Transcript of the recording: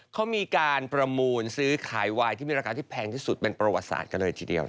เขามีการประมูลซื้อขายวายที่มีราคาที่แพงที่สุดเป็นประวัติศาสตร์กันเลยทีเดียว